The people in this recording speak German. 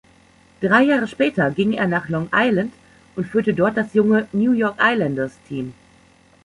Drei Jahre später ging er nach Long Island und führte dort das junge New-York-Islanders-Team.